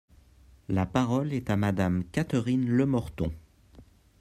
La parole est à Madame Catherine Lemorton.